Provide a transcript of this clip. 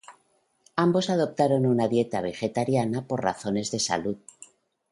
Ambos adoptaron una dieta vegetariana por razones de salud.